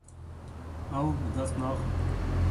Ew bi dest naxin.